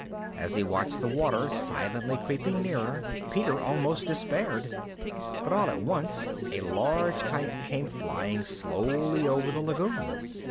As he watched the water silently creeping nearer, Peter almost despaired. But all at once a large kite came flying slowly over the lagoon.